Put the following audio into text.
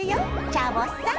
チャボさん！